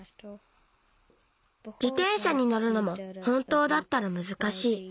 じてんしゃにのるのもほんとうだったらむずかしい。